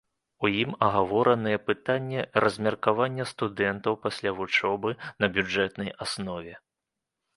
У ім агавораныя пытанні размеркавання студэнтаў пасля вучобы на бюджэтнай аснове.